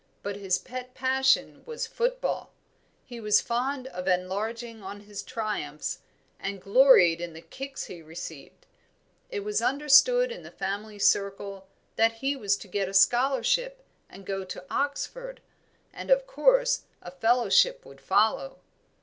But his pet passion was football; he was fond of enlarging on his triumphs, and gloried in the kicks he received. It was understood in the family circle that he was to get a scholarship and go to Oxford; and of course a fellowship would follow.